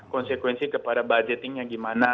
konsekuensi kepada budgetingnya gimana